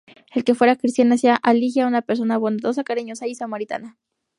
El que fuera cristiana hacía a Ligia una persona bondadosa, cariñosa, y samaritana.